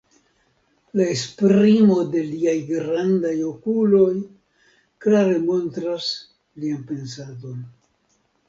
La esprimo de liaj grandaj okuloj klare montras lian pensadon.